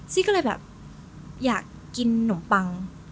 ก็เลยแบบอยากกินนมปัง